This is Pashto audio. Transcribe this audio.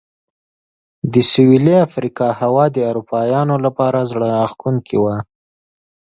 د سوېلي افریقا هوا د اروپایانو لپاره زړه راښکونکې وه.